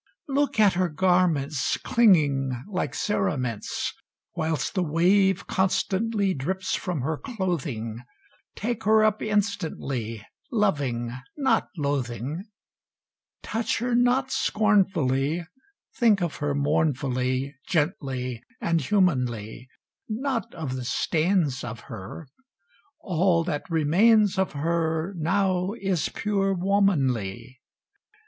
Look at her garments Clinging like cerements; Whilst the wave constantly Drips from her clothing; Take her up instantly, Loving, not loathing. Touch her not scornfully; Think of her mournfully, Gently and humanly; Not of the stains of her, All that remains of her Now is pure womanly.